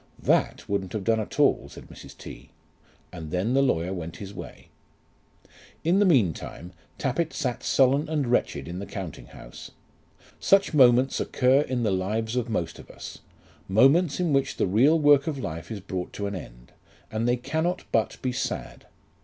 "That wouldn't have done at all," said Mrs. T. And then the lawyer went his way. In the mean time Tappitt sat sullen and wretched in the counting house. Such moments occur in the lives of most of us, moments in which the real work of life is brought to an end, and they cannot but be sad.